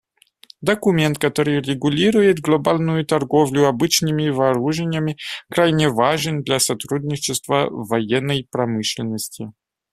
Документ, который регулирует глобальную торговлю обычными вооружениями, крайне важен для сотрудничества в военной промышленности.